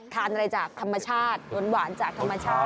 ทานอะไรจากธรรมชาติหวานจากธรรมชาติ